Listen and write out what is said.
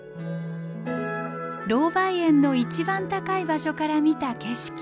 ロウバイ園の一番高い場所から見た景色。